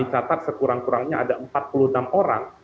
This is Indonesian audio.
kami catat sekurang kurangnya ada empat puluh enam orang